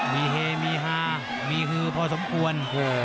มีเฮมีฮามีฮือพอสมควร